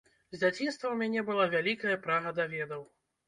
З дзяцінства ў мяне была вялікая прага да ведаў.